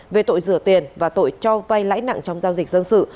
về tội rửa tiền và tội cho vay lãi nặng trong giao dịch dân sự